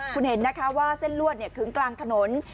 คุณเห็นนะคะว่าเส้นลวดขึงกลางถนน